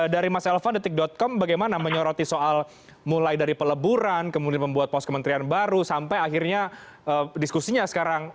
dari mas elvan detik com bagaimana menyoroti soal mulai dari peleburan kemudian membuat pos kementerian baru sampai akhirnya diskusinya sekarang